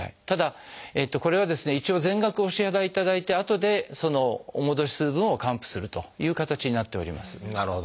ただこれはですね一度全額お支払いいただいてあとでお戻しする分を還付するという形になっております。